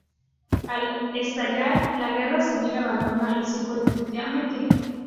Al estallar la guerra civil abandona el circo definitivamente.